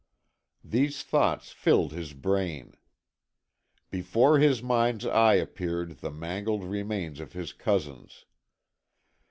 These thoughts filled his brain. Before his mind's eye appeared the mangled remains of his cousins.